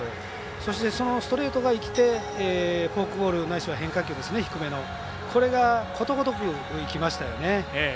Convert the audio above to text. そして、そのストレートが生きてフォークボール、ないしは変化球、低めのこれが、ことごとく浮きましたよね。